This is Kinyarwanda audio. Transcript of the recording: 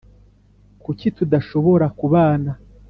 kuki tudashobora kubana?